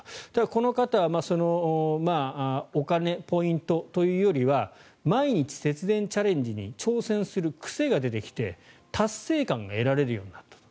この方はお金、ポイントというよりは毎日節電チャレンジに挑戦する癖が出てきて達成感が得られるようになったと。